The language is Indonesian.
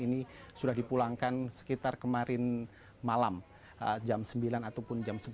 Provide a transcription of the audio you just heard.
ini sudah dipulangkan sekitar kemarin malam jam sembilan ataupun jam sebelas